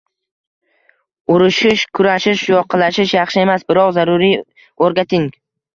Urishish, kurashish, yoqalashish yaxshi emas, biroq zaruriy o'rgating.